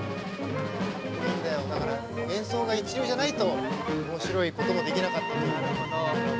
だから演奏が一流じゃないとおもしろいこともできなかったという。